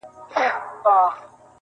سر دي و خورم که له درده بېګانه سوم,